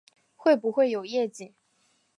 会不会有夜景